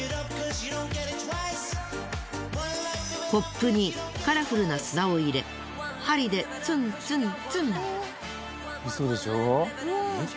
コップにカラフルな砂を入れ針でツンツンツン。